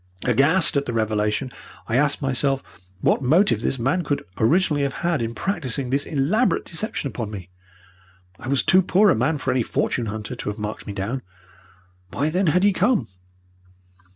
Aghast at the revelation, I asked myself what motive this man could originally have had in practising this elaborate deception upon me. I was too poor a man for any fortune hunter to have marked me down. Why, then, had he come?